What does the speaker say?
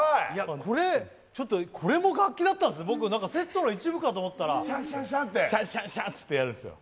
これも楽器だったんですね、僕、セットの一部だと思ったら、シャンシャンシャンって、やるんですよ。